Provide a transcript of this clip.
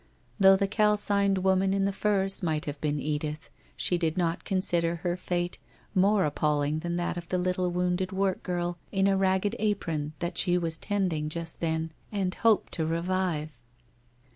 Though the calcined woman in the furs might have been Edith, she did not consider her fate more appalling than that of the little wounded work girl in a ragged apron that she was tending just then and hoped to revive.